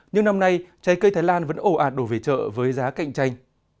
nhưng năm nay trái cây thái lan vẫn ổ ạt đổ về chợ với giá cạnh tranh